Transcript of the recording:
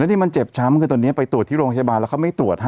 ที่มันเจ็บช้ำคือตอนนี้ไปตรวจที่โรงพยาบาลแล้วเขาไม่ตรวจฮะ